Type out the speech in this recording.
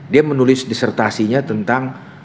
dia menulis disertasinya tentang